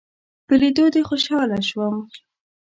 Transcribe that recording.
په ليدو دې خوشحاله شوم